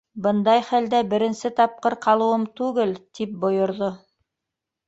Бындай хәлдә беренсе тапҡыр ҡалыуым түгел! - тип бойорҙо.